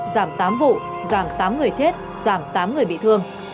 giảm tám vụ giảm tám người chết giảm tám người bị thương